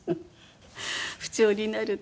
不調になるとね。